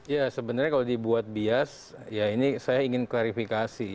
ya sebenarnya kalau dibuat bias ya ini saya ingin klarifikasi